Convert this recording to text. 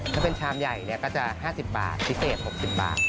ถ้าเป็นชามใหญ่ก็จะ๕๐บาทพิเศษ๖๐บาท